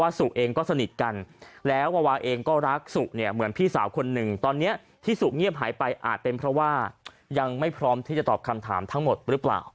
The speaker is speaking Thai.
สุเองก็สนิทกันแล้ววาวาเองก็รักสุเนี่ยเหมือนพี่สาวคนหนึ่งตอนนี้ที่สุเงียบหายไปอาจเป็นเพราะว่ายังไม่พร้อมที่จะตอบคำถามทั้งหมดหรือเปล่า